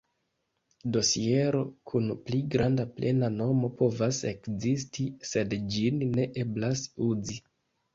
Dosiero kun pli granda plena nomo povas ekzisti, sed ĝin ne eblas uzi.